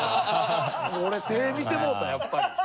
もう俺手ぇ見てもうたやっぱり。